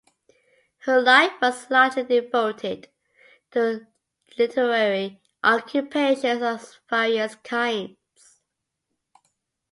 Her life was largely devoted to literary occupations of various kinds.